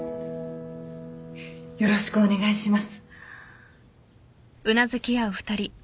よろしくお願いします。